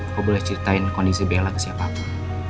aku boleh ceritain kondisi bella ke siapa siapa